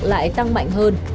lại tăng mạnh hơn